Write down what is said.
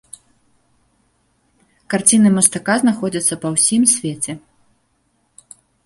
Карціны мастака знаходзяцца па ўсім свеце.